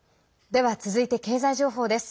では、続いて経済情報です。